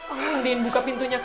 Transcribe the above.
oh indin buka pintunya